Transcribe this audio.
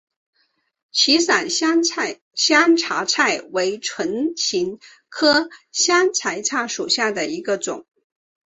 歧伞香茶菜为唇形科香茶菜属下的一个种。